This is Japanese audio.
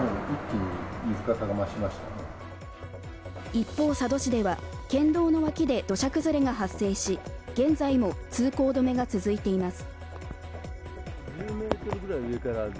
一方、佐渡市では県道の脇で土砂崩れが発生し、現在も通行止めが続いています。